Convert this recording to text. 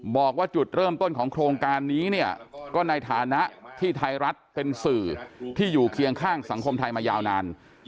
บอกว่าจุดเริ่มต้นของโครงการนี้เนี่ยก็ในฐานะที่ไทยรัฐเป็นสื่อที่อยู่เคียงข้างสังคมไทยมายาวนาน